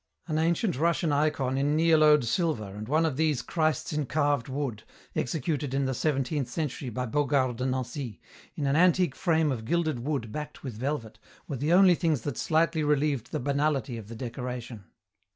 An ancient Russian icon in nielloed silver and one of these Christs in carved wood, executed in the seventeenth century by Bogard de Nancy, in an antique frame of gilded wood backed with velvet, were the only things that slightly relieved the banality of the decoration.